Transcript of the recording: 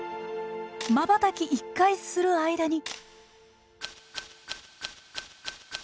まばたき１回する間に。